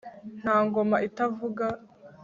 nta ngoma itavuga